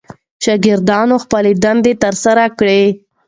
شاګردانو خپلې دندې ترسره کړې.